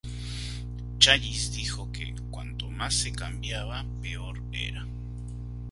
Challis Dijo que "Cuanto más se cambiaba, peor era.